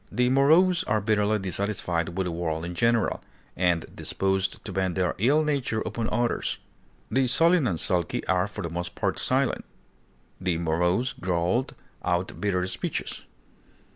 The morose are bitterly dissatisfied with the world in general, and disposed to vent their ill nature upon others. The sullen and sulky are for the most part silent; the morose growl out bitter speeches.